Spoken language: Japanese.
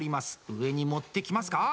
上に持ってきますか？